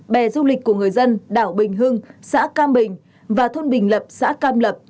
bè du lịch của người dân đảo bình hưng xã cam bình và thôn bình lập xã cam lập